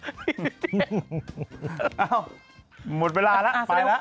หมดเวลาแล้วไปแล้ว